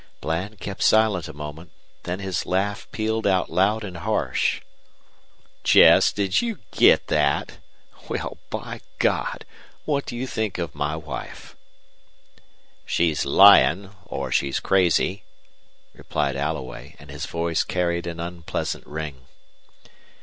Bland kept silent a moment, then his laugh pealed out loud and harsh. "Chess, did you get that? Well, by God! what do you think of my wife?" "She's lyin' or she's crazy," replied Alloway, and his voice carried an unpleasant ring.